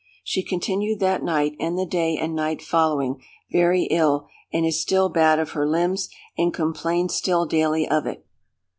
She continued that night, and the day and night following, very ill, and is still bad of her limbs, and complains still daily of it.